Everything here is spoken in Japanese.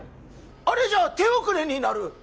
あれじゃ手遅れになる！